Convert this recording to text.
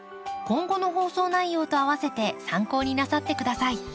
今後の放送内容とあわせて参考になさって下さい。